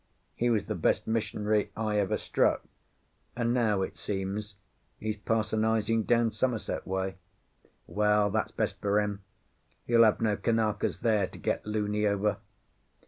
He was the best missionary I ever struck, and now, it seems, he's parsonising down Somerset way. Well, that's best for him; he'll have no Kanakas there to get luny over.